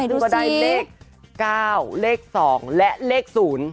ซึ่งก็ได้เลข๙เลข๒และเลข๐